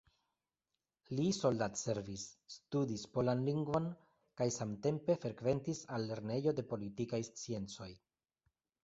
Li soldatservis, studis polan lingvon kaj samtempe frekventis al Lernejo de Politikaj Sciencoj.